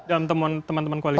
dalam temuan teman teman koalisi